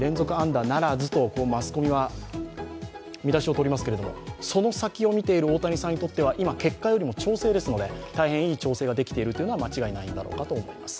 マスコミは見出しをとりますけどその先を見ている大谷さんにとっては今、結果よりも調整ですので、大変いい調整ができているというのは間違いないようです。